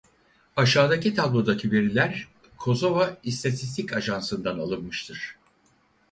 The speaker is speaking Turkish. Aşağıdaki tablodaki veriler Kosova İstatistik Ajansı'ndan alınmıştır.